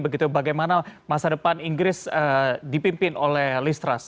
begitu bagaimana masa depan inggris dipimpin oleh listras